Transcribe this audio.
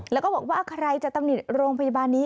แล้วก็บอกว่าใครจะตำหนิโรงพยาบาลนี้